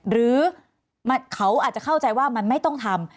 หรือเขาอาจจะเข้าใจว่ามันไม่ต้องทำ